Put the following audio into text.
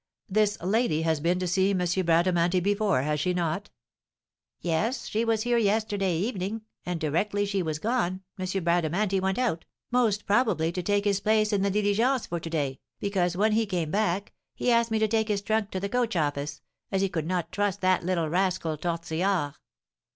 "This lady has been to see M. Bradamanti before, has she not?" "Yes, she was here yesterday evening; and, directly she was gone, M. Bradamanti went out, most probably, to take his place in the diligence for to day, because, when he came back, he asked me to take his trunk to the coach office, as he could not trust that little rascal, Tortillard."